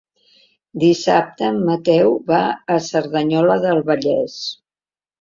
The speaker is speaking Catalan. Dissabte en Mateu va a Cerdanyola del Vallès.